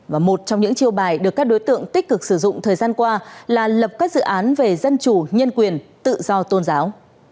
và một trong những chiêu bài được các đối tượng tích cực sử dụng thời gian qua là lập các dự án về dân chủ nhân quyền tự do tôn giáo